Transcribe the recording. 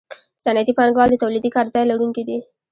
صنعتي پانګوال د تولیدي کارځای لرونکي دي